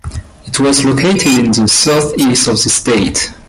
It was located in the southeast of the state.